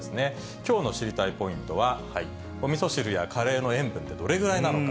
きょうの知りたいポイントは、おみそ汁やカレーの塩分ってどれぐらいなのか。